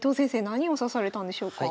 何を指されたんでしょうか？